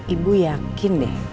ibu yakin deh